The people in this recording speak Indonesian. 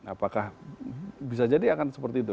apakah bisa jadi akan seperti itu